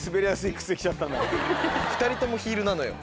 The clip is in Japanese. ２人ともヒールなのよ。